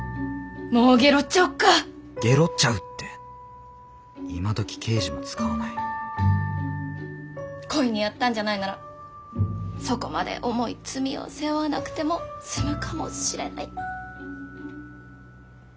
ゲロっちゃうって今どき刑事も使わない故意にやったんじゃないならそこまで重い罪を背負わなくても済むかもしれない。